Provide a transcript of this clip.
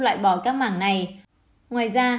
loại bỏ các mảng này ngoài ra